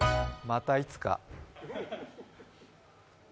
またいつか。